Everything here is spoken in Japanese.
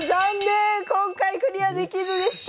今回クリアできずでした。